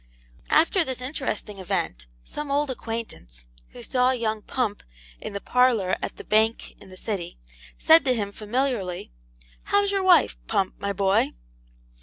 After this interesting event, some old acquaintance, who saw young Pump in the parlour at the bank in the City, said to him, familiarly, 'How's your wife, Pump, my boy?'